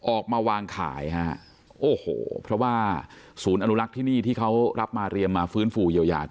ออกมาวางขายฮะโอ้โหเพราะว่าศูนย์อนุรักษ์ที่นี่ที่เขารับมาเรียมมาฟื้นฟูเยียวยา